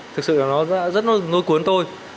thực sự là nó rất là ngôi cuốn tôi